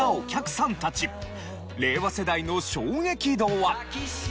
令和世代の衝撃度は？